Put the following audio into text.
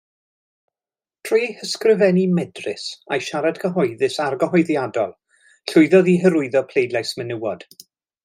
Trwy ei hysgrifennu medrus a'i siarad cyhoeddus argyhoeddiadol, llwyddodd i hyrwyddo pleidlais menywod.